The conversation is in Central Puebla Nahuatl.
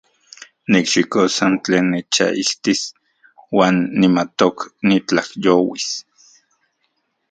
Nikxikos san tlen nechaijtis uan nimatok nitlajyouis.